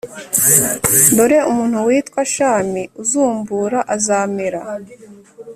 Dore umuntu witwa Shami uzumb ra azamera